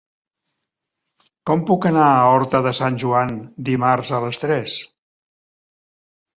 Com puc anar a Horta de Sant Joan dimarts a les tres?